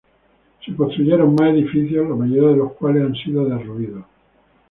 Se construyeron más edificios, la mayoría de los cuales han sido derruidos.